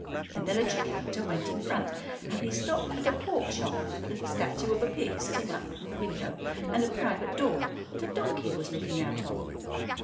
The military character went in front and he stopped at a pork shop with a little statue of a pig sitting up, in the window, and a private door that a donkey was looking out of.